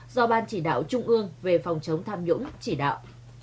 do ban chỉ đạo trung ương về phòng chống tham nhũng chỉ đạo